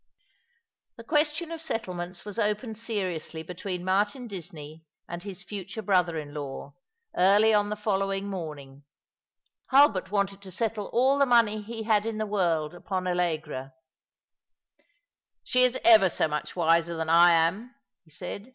The question of settlements was opened seriously between Martin Disney and his future brother in law, early on the *^ So, Full Content shall he my Lot!' 287 following morning. Hulbert wanted to settle all the money he had in the world upon AUegra. " She is ever so much wiser than I am," ho said.